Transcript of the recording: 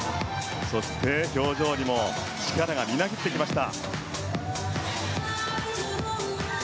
そして、表情にも力がみなぎってきました。